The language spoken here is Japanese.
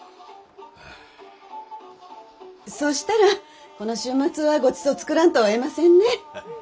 そうしたらこの週末はごちそう作らんとおえませんね。